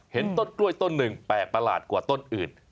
เห็นต้นกล้วยต้นหนึ่งแปลกประหลาดกว่าต้นอื่น